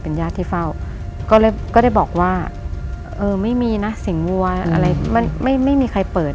เป็นญาติที่เตอร์เซียเตอร์กว่าไม่มีเสียงวัวไม่มีใครเปิด